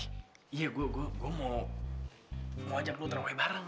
iya gue mau ajak lo tramway bareng